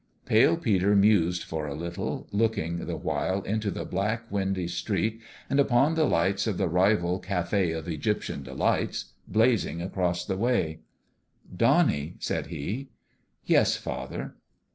Pale Peter mused for a little, looking, the while, into the black, windy street, and upon the lights of the rival Cafe of Egyptian Delights, blazing across the way. " Donnie !" said he. "Yes, father?"